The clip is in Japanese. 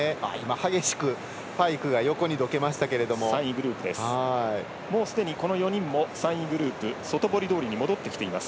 激しくパイクがすでに、この４人も３位グループ外堀通りに戻ってきています。